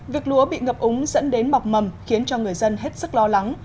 việc lúa bị ngập úng dẫn đến bọc mầm khiến cho người dân hết sức lo lắng